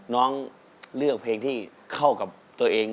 น้องเลือกเพลงที่เข้ากับตัวเอง